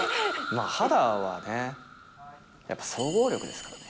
肌はね、やっぱ総合力ですからね。